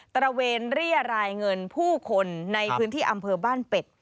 ระเวนเรียรายเงินผู้คนในพื้นที่อำเภอบ้านเป็ด